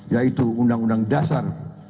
yaitu undang undang dasar